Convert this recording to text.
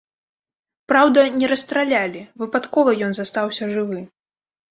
Праўда, не расстралялі, выпадкова ён застаўся жывы.